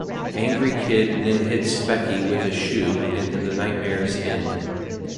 Angry Kid then hits Speccy with a shoe, and the nightmares end.